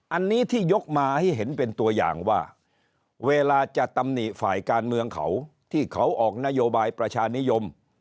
อันนี้ที่ยกมาให้เห็นเป็นตัวอย่างว่าเวลาจะตำหนิฝ่ายการเมืองเขาที่เขาออกนโยบายประชานิยม